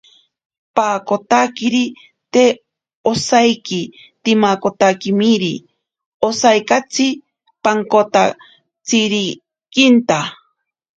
Paakotakiri te osaiki tsimakotakimiri, osaikatsi pantakotsirikinta.